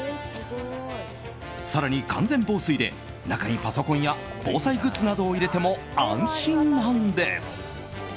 更に、完全防水で中にパソコンや防災グッズなどを入れても安心なんです。